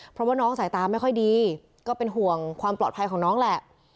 เพราะว่าน้องสายตาไม่ค่อยดีก็เป็นห่วงความปลอดภัยของน้องแหละ